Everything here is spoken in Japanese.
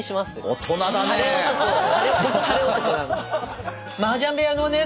大人だわね。